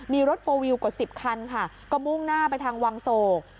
มีรถโฟลวิวกว่า๑๐คันค่ะก็มุ่งหน้าไปทางวังโศก